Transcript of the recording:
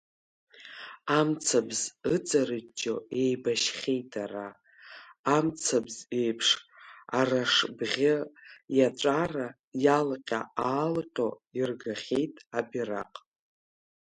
Амцабз ыҵарҷҷо еибашьхьеит ара, амцабз еиԥш арашбӷьы иаҵәара иалҟьа-аалҟьо иргахьеит абираҟ.